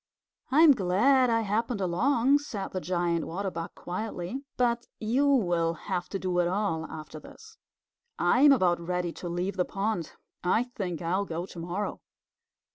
"I'm glad I happened along," said the Giant Water Bug quietly, "but you will have to do it all after this. I'm about ready to leave the pond. I think I'll go to morrow."